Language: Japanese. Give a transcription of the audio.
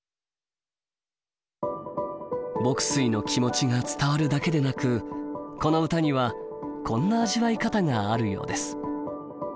牧水の気持ちが伝わるだけでなくこの歌にはこんな味わい方があるようです。